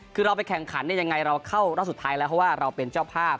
คือเราไปแข่งขันเนี่ยยังไงเราเข้ารอบสุดท้ายแล้วเพราะว่าเราเป็นเจ้าภาพ